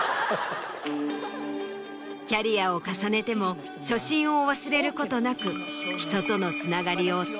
キャリアを重ねても初心を忘れることなく。